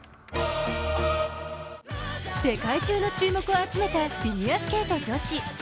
世界中の注目を集めたフィギュアスケート女子。